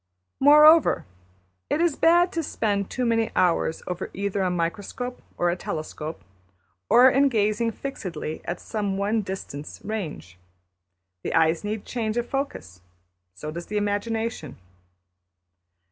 Moreover, it is bad to spend too many hours over either a microscope or a telescope, or in gazing fixedly at some one distance range. The eyes need change of focus. So does the imagination.